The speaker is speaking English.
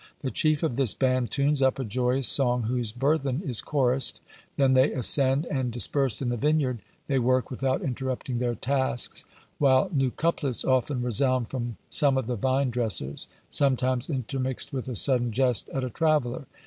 The chief of this band tunes up a joyous song, whose burthen is chorused: then they ascend, and, dispersed in the vineyard, they work without interrupting their tasks, while new couplets often resound from some of the vine dressers; sometimes intermixed with a sudden jest at a traveller.